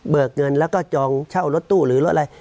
เงินแล้วก็จองเช่ารถตู้หรือรถอะไร